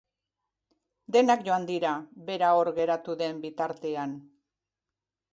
Denak joan dira, bera hor geratu den bitartean.